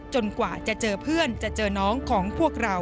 กว่าจะเจอเพื่อนจะเจอน้องของพวกเรา